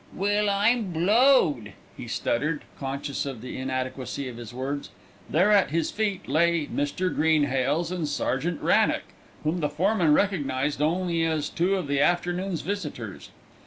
"Well, I'm I'm blowed!" he stuttered, conscious of the inadequacy of his words. There at his feet lay Mr. Greenhales and Sergeant Wrannock, whom the foreman recognised only as two of the afternoon's visitors.